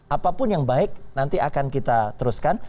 apapun yang baik nanti akan kita teruskan